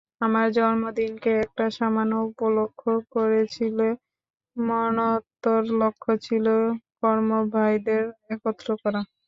আমার জন্মদিনকে একটা সামান্য উপলক্ষ্য করেছিলে, মহত্তর লক্ষ্য ছিল কর্মভাইদের একত্র করা।